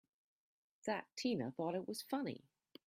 That Tina thought it was funny!